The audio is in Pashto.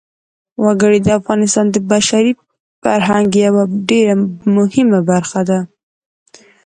وګړي د افغانستان د بشري فرهنګ یوه ډېره مهمه برخه ده.